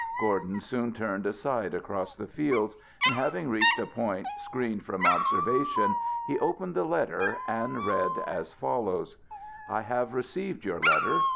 Gordon, soon turned aside across the fields, and having reached a point, screened from observation he opened the letter and read as follows: "I have received your letter.